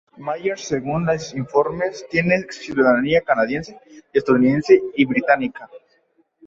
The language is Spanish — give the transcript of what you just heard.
Myers según los informes tiene ciudadanía canadiense, estadounidense y británica.